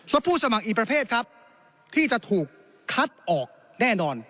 ผู้สมัครอีกประเภทครับที่จะถูกคัดออกแน่นอน